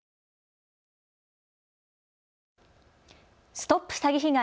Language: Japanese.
ＳＴＯＰ詐欺被害！